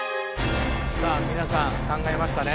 さあ皆さん考えましたね？